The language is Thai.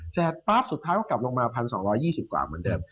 ป๊าบสุดท้ายก็กลับลงมา๑๒๒๐กว่าเหมือนเดิม